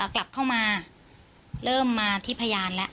กลับเข้ามาเริ่มมาที่พยานแล้ว